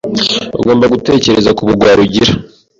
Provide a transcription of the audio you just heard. ugomba gutekereza ku bugwari ugira